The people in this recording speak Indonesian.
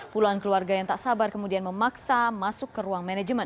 puluhan keluarga yang tak sabar kemudian memaksa masuk ke ruang manajemen